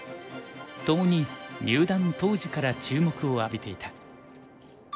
共に入段当時から注目を浴びていた。